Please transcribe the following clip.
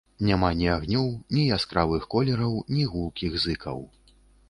Няма ні агнёў, ні яскравых колераў, ні гулкіх зыкаў.